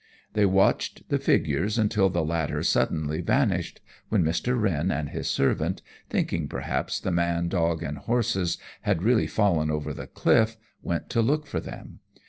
They watched the figures until the latter suddenly vanished, when Mr. Wren and his servant, thinking, perhaps, the man, dog, and horses had really fallen over the cliff, went to look for them.